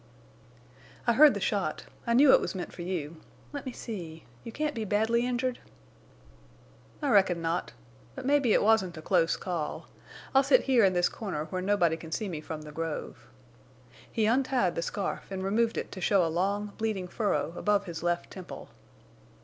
"I heard the shot; I knew it was meant for you. Let me see—you can't be badly injured?" "I reckon not. But mebbe it wasn't a close call!... I'll sit here in this corner where nobody can see me from the grove." He untied the scarf and removed it to show a long, bleeding furrow above his left temple.